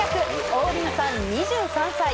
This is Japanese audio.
王林さん２３歳。